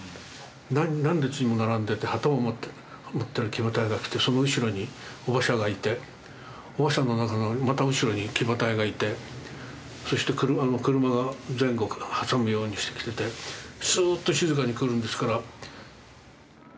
何列にも並んでて旗を持ってる騎馬隊が来てその後ろに御馬車がいて御馬車の中がまた後ろに騎馬隊がいてそして車が前後から挟むようにして来ててスーッと静かに来るんですから。